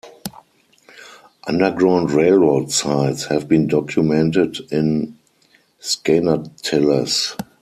Underground Railroad sites have been documented in Skaneateles.